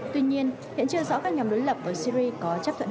tuy nhiên hiện chưa rõ các nhóm đối lập với syri có chấp thuận hay không